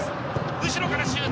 後ろからシュート。